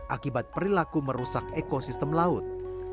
akibat perilaku merusak ekosistem laut